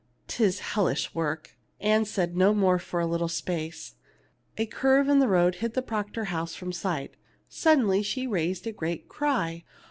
'Tis hellish work." Ann said no more for a little space ; a curve in the road hid the Proctor house from sight. Sud denly she raised a great cry.